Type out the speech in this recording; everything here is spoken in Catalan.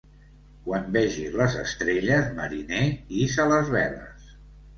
Quan vegis les estrelles, mariner, hissa les veles.